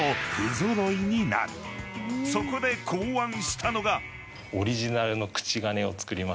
［そこで考案したのが］